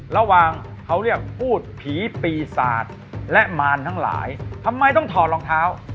ระหว่างเขาเรียกพูดผีปีศาจและมารทั้งหลายทำไมต้องถอดรองเท้า